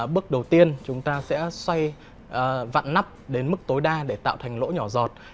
bước đầu tiên chúng ta sẽ xoay vặn nắp đến mức tối đa để tạo thành lỗ nhỏ giọt